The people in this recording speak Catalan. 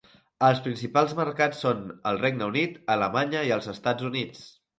Els principals mercats són el Regne Unit, Alemanya i els Estats Units.